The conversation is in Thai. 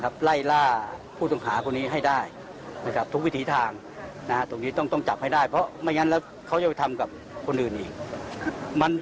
ไม่งั้นเค้าจะไปทำกับคนอื่น